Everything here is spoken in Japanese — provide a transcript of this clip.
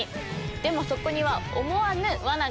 でもそこには思わぬワナが！